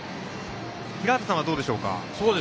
平畠さんはどうでしょうか。